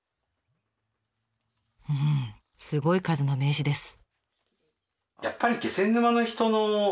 うんすごい数の名刺です。